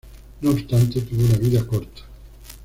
No obstante, tuvo una vida corta.